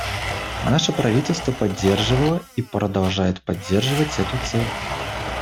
Наше правительство поддерживало и продолжает поддерживать эту цель.